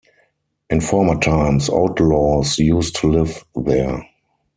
In former times, outlaws used to live there.